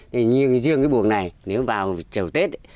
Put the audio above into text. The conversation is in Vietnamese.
như riêng cái buồng này nếu vào chiều tết